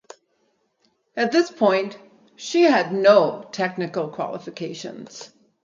At this point she had no technical qualifications.